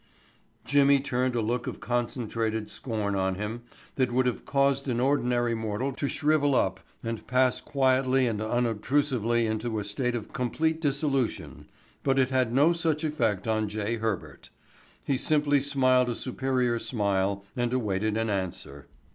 Jimmy turned a look of concentrated scorn on him that would have caused an ordinary mortal to shrivel up and pass quietly and unobtrusively into a state of complete dissolution, but it had no such effect on J. Herbert. He simply smiled a superior smile and awaited an answer.